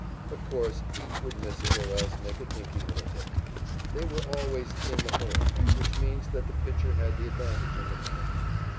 Of course, each would miss it or else make a dinky little hit. They were always "in the hole," which means that the pitcher had the advantage in the count.